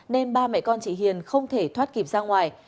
nên ba mẹ con chị hiền không thể thoát kịp ra ngoài